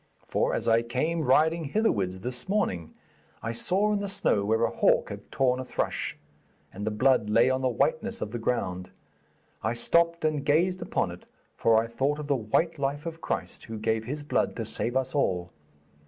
For as I came riding hitherwards this morning, I saw in the snow where a hawk had torn a thrush, and the blood lay on the whiteness of the ground. I stopped and gazed upon it, for I thought of the white life of Christ who gave His blood to save us all.